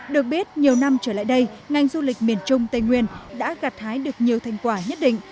được biết nhiều năm trở lại đây ngành du lịch miền trung tây nguyên đã gặt hái được nhiều thành quả nhất định